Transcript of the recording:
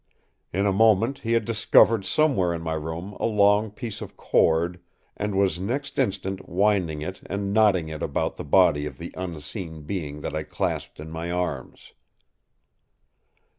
In a moment he had discovered somewhere in my room a long piece of cord, and was the next instant winding it and knotting it about the body of the unseen being that I clasped in my arms.